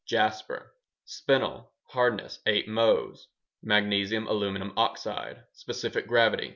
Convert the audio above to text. _ Jasper. Spinel (hardness: 8 Mohs) Magnesium aluminum oxide Specific gravity: 3.